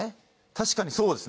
確かにそうですね。